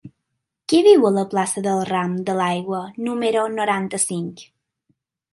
Qui viu a la plaça del Ram de l'Aigua número noranta-cinc?